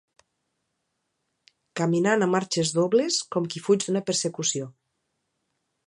Caminant a marxes dobles com qui fuig d'una persecució